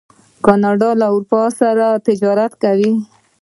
کاناډا له اروپا سره تجارت کوي.